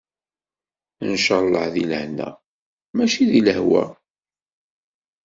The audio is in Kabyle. Ncalleh di lehna, mačči di lehwa.